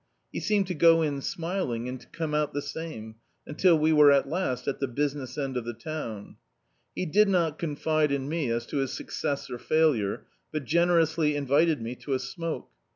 He seemed to go in aniling, and to ccnne out the same, until we were at last at the business end of the town. He did not confide in me as to his success or failure; but generously invited me to a smoke.